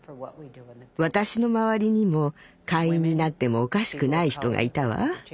私の周りにも会員になってもおかしくない人がいたわ。